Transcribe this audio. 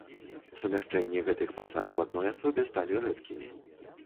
Сумяшчэнні гэтых пасад у адной асобе сталі рэдкімі.